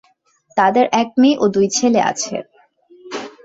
তাদের এক মেয়ে ও দুই ছেলে আছে।